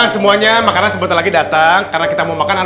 semuanya makanan sebentar lagi datang karena kita mau makan